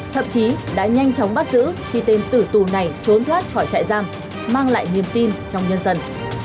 thậm chí đã nhanh chóng bắt giữ khi tên tử tù này trốn thoát khỏi trại giam mang lại niềm tin trong nhân dân